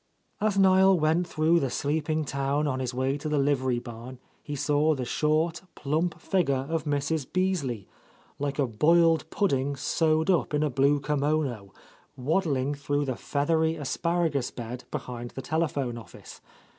As Jsiel went through the sleeping town on his way to the livery barn, he saw the short, plump figure of Mrs. Beasley, like a boiled pudding sewed up in a blue kimono, waddling through the feathery asparagus bed behind the telephone office.